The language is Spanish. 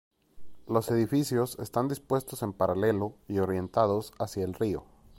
Los edificios están dispuestos en paralelo y orientados hacia el río.